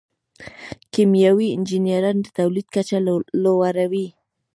کیمیاوي انجینران د تولید کچه لوړوي.